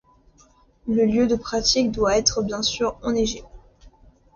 Le lieu de pratique doit être bien sûr enneigé.